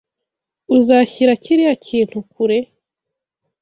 Uzashyira kiriya kintu kure?